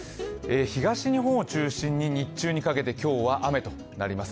東日本を中心に日中にかけて今日は雨となります。